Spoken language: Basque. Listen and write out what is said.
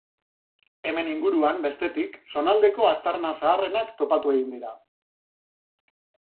Hemen inguruan, bestetik, zonaldeko aztarna zaharrenak topatu egin dira.